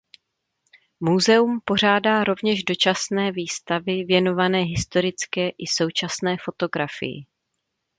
Muzeum pořádá rovněž dočasné výstavy věnované historické i současné fotografii.